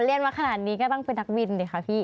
เรียนมาขนาดนี้ก็ต้องเป็นนักบินดิค่ะพี่